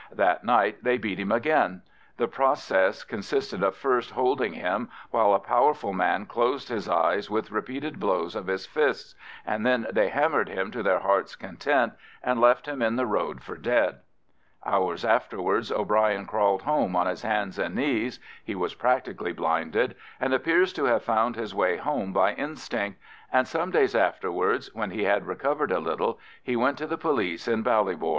That night they beat him again; the process consisted of first holding him while a powerful man closed his eyes with repeated blows of his fists, and then they hammered him to their heart's content and left him in the road for dead. Hours afterwards O'Brien crawled home on his hands and knees—he was practically blinded, and appears to have found his way home by instinct,—and some days afterwards, when he had recovered a little, he went to the police in Ballybor.